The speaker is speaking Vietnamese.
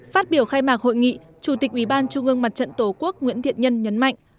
phát biểu khai mạc hội nghị chủ tịch ủy ban trung ương mặt trận tổ quốc nguyễn thiện nhân nhấn mạnh